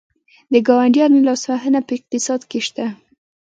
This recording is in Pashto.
د ګاونډیانو لاسوهنه په اقتصاد کې شته؟